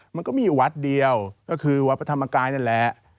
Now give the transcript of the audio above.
มันก็มีอยู่วัดเดียวก็คือวัดพระธรรมกายนั่นแหละ